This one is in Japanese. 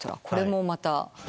これもまた。